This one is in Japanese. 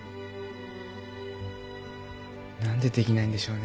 何でできないんでしょうね。